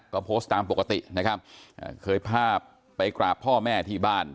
ก็โพสต์ตามปกตินะครับเคยภาพไปกราบพ่อแม่ที่บ้าน